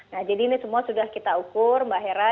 nah jadi ini semua sudah kita ukur mbak hera